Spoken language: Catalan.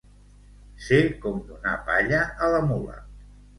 Ser com donar palla a la mula.